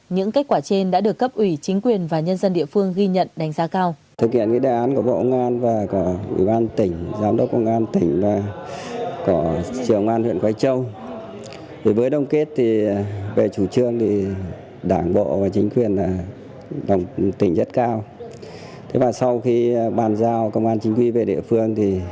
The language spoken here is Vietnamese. những kết quả trên đã được cấp ủy chính quyền và nhân dân địa phương ghi nhận đánh giá cao